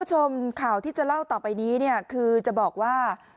คุณผู้ชมข่าวที่จะเล่าต่อไปนี้เนี่ยคือจะบอกว่า